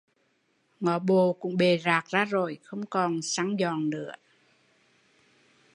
Ngó bộ cũng bệ rạc ra rồi, không còn săn giòn nữa